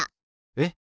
えっ？